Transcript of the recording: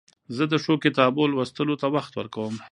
زه د ښو کتابو لوستلو ته وخت ورکوم.